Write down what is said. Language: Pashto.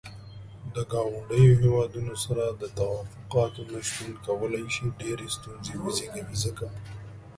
د ګاونډيو هيوادونو سره د تووافقاتو نه شتون کولاي شي ډيرې ستونزې وزيږوي ځکه.